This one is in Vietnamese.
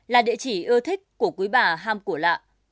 là địa chỉ ưa thích của quý bà ham cổ lạ